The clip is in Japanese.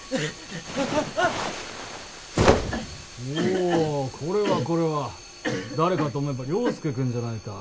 おこれはこれは誰かと思えば椋介君じゃないか。